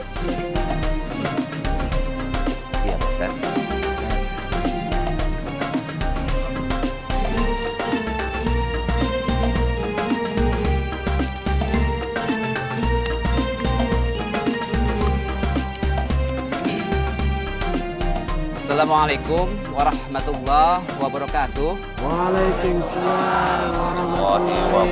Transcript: waalaikumsalam warahmatullahi wabarakatuh